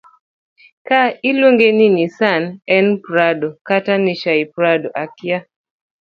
ka iluonge ni nisaa en prado kata nishaiprado akia